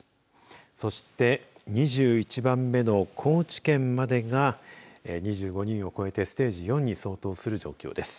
そして、２１番目の高知県までが２５人を超えてステージ４に相当する状況です。